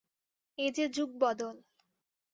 এ যে যুগ-বদল!